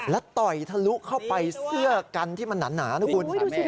และต่อยทะลุเข้าไปเสื้อกันที่มันหนานะคุณ